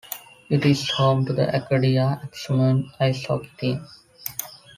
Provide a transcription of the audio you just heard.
It is home to the Acadia Axemen ice hockey team.